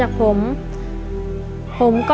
ถูกถูกถูก